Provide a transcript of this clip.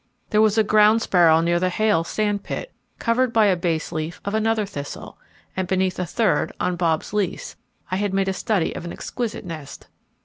There was a ground sparrow near the Hale sand pit, covered by a base leaf of another thistle, and beneath a third on Bob's lease, I had made a study of an exquisite nest.